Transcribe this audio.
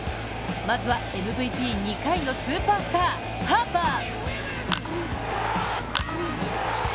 まずはＭＶＰ２回のスーパースター・ハーパー。